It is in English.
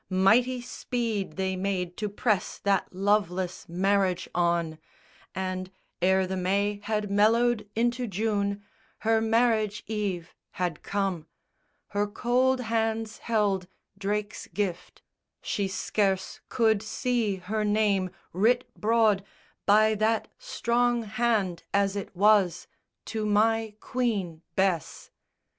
Mighty speed They made to press that loveless marriage on; And ere the May had mellowed into June Her marriage eve had come. Her cold hands held Drake's gift. She scarce could see her name, writ broad By that strong hand as it was, To my queen Bess.